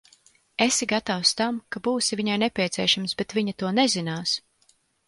Esi gatavs tam, ka būsi viņai nepieciešams, bet viņa to nezinās.